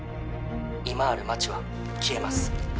今ある町は消えます